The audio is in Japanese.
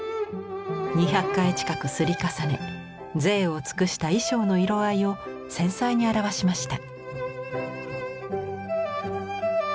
２００回近くり重ね贅を尽くした衣装の色合いを繊細に表しました。